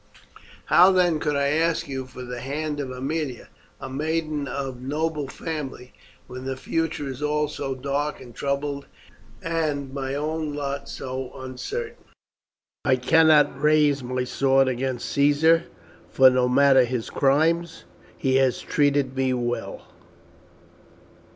How then could I ask you for the hand of Aemilia, a maiden of noble family, when the future is all so dark and troubled and my own lot so uncertain? "I cannot raise my sword against Caesar, for, however foul his crimes, he has treated me well.